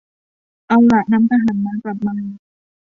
เอาล่ะ นำทหารม้ากลับมา